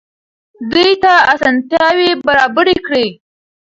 دوی ته اسانتیاوې برابرې کړئ.